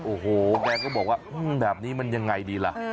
โอ้โหแกก็บอกว่าแบบนี้มันยังไงดีล่ะ